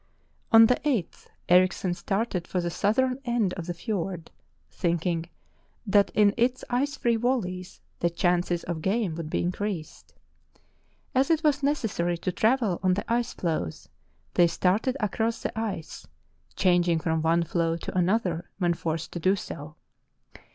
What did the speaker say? On the 8th Erichsen started for the southern end of the fiord, thinking that in its ice free valleys the chances of game would be increased. As it was necessary to travel on the ice floes they started across the ice, changing from one floe to another when forced to do so.